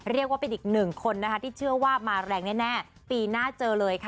เรียกว่าเป็นอีกหนึ่งคนนะคะที่เชื่อว่ามาแรงแน่ปีหน้าเจอเลยค่ะ